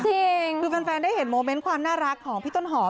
จริงคือแฟนได้เห็นโมเมนต์ความน่ารักของพี่ต้นหอม